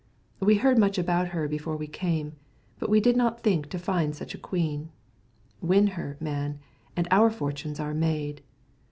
We heard much about her before we came; but we did not think to find such a queen. Win her, man, and our fortunes are made."